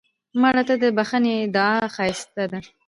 مړه ته د بښنې دعا ښایسته ده